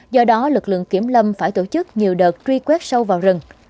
do đó lực lượng kiểm lâm phải tổ chức nhiều đợt truy quét sâu vào rừng